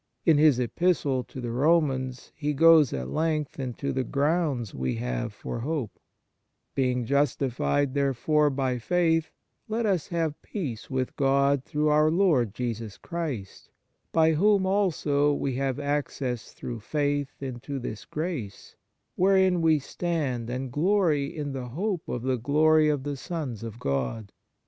In his Epistle to the Romans he goes at length into the grounds we have for hope :" Being justified therefore by faith, let us have peace with God through our Lord Jesus Christ, by whom also we have access through faith into this grace, wherein we stand and glory in the hope of the glory of the sons of God.